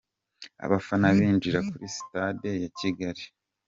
Abafana binjira kuri sitade ya Kigali.